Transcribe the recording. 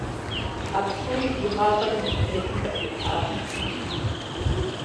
А псори ди гъащӀэм интернетым къыхихьащ.